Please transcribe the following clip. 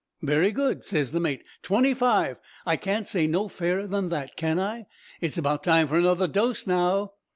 "'Very good,' ses the mate. 'Twenty five; I can't say no fairer than that, can I? It's about time for another dose now.'